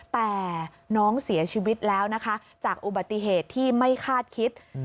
แต่น้องเสียชีวิตแล้วนะคะจากอุบัติเหตุที่ไม่คาดคิด